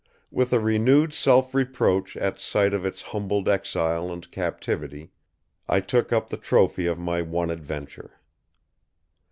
With a renewed self reproach at sight of its humbled exile and captivity, I took up the trophy of my one adventure.